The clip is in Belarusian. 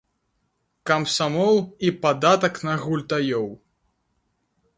Камсамол і падатак на гультаёў.